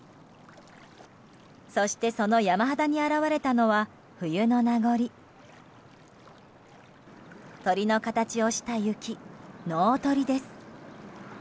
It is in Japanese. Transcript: そして、その山肌に現れたのは冬の名残鳥の形をした雪、農鳥です。